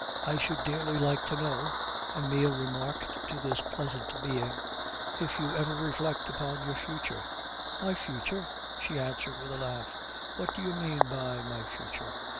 "I should dearly like to know," Emile remarked to this pleasing being, "if you ever reflect upon your future?" "My future!" she answered with a laugh. "What do you mean by my future?